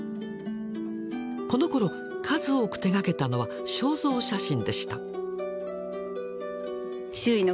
このころ数多く手がけたのは肖像写真でした。